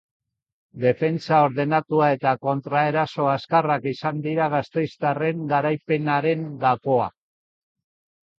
Defentsa ordenatua eta kontraeraso azkarrak izan dira gasteiztarren garaipenaren gakoa.